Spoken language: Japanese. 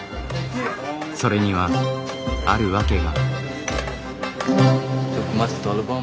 それにはある訳が。